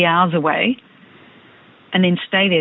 mari kita ganti modelnya